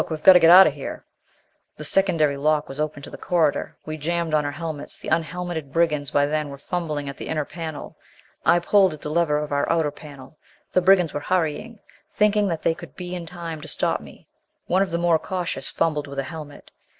We've got to get out of here!" The secondary lock was open to the corridor. We jammed on our helmets. The unhelmeted brigands by then were fumbling at the inner panel. I pulled at the lever of the outer panel. The brigands were hurrying, thinking that they could be in time to stop me. One of the more cautious fumbled with a helmet.